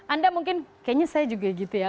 anda mungkin kayaknya saya juga gitu ya